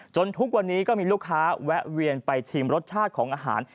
ทุกวันนี้ก็มีลูกค้าแวะเวียนไปชิมรสชาติของอาหาร